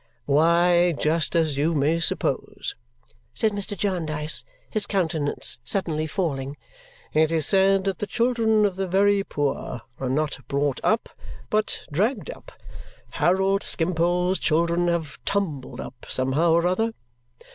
"Why, just as you may suppose," said Mr. Jarndyce, his countenance suddenly falling. "It is said that the children of the very poor are not brought up, but dragged up. Harold Skimpole's children have tumbled up somehow or other.